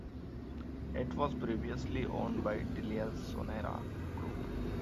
It was previously owned by TeliaSonera group.